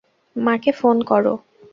মাকে ফোন করো।